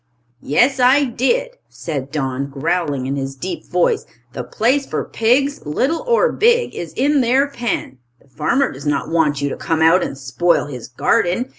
"Yes, I did," said Don, growling in his deep voice. "The place for pigs, little or big, is in their pen. The farmer does not want you to come out and spoil his garden.